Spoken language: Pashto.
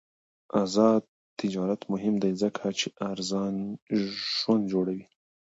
آزاد تجارت مهم دی ځکه چې ارزان ژوند جوړوي.